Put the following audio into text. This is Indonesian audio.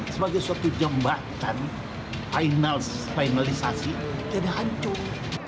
sebagai suatu jembatan finalisasi jadi hancur